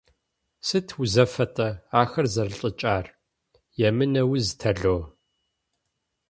Сыт узыфэ-тӀэ ахэр зэрылӀыкӀар, – емынэ уз, тало?